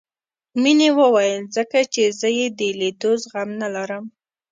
مينې وويل ځکه چې زه يې د ليدو زغم نه لرم.